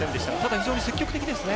非常に積極的ですね。